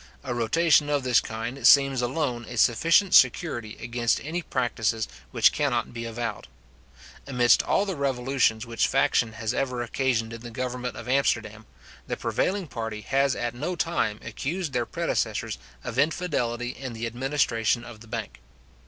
A rotation of this kind seems alone a sufficient security against any practices which cannot be avowed. Amidst all the revolutions which faction has ever occasioned in the government of Amsterdam, the prevailing party has at no time accused their predecessors of infidelity in the administration of the bank.